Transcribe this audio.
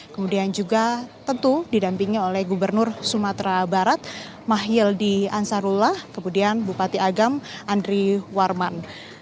kemudian juga tentu didampingi oleh gubernur sumatera barat mahyildi ansarullah kemudian bupati agam andri warman